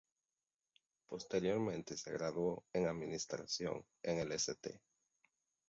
Posteriormente se gradúo en Administración en el St.